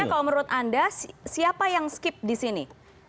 artinya kalau menurut anda siapa yang skip disini